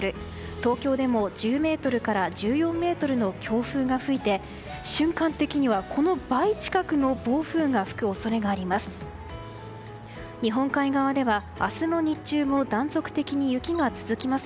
東京でも１０メートルから１４メートルの強風が吹いて瞬間的にはこの倍近くの暴風が吹く恐れがあります。